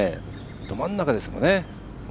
ど真ん中ですもんね。